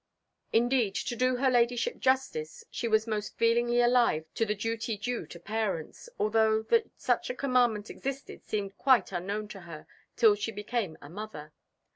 Indeed, to do her Ladyship justice, she was most feelingly alive to the duty due to parents, though that such a commandment existed seemed quite unknown to her till she became a mother.